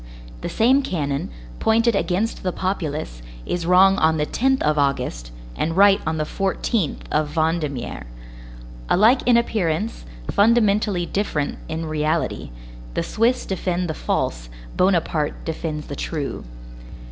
The same cannon, pointed against the populace, is wrong on the 10th of August, and right on the 14th of Vendémiaire. Alike in appearance, fundamentally different in reality; the Swiss defend the false, Bonaparte defends the true.